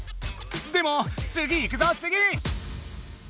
でもつぎいくぞつぎ！